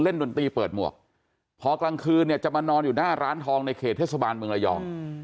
ดนตรีเปิดหมวกพอกลางคืนเนี่ยจะมานอนอยู่หน้าร้านทองในเขตเทศบาลเมืองระยอง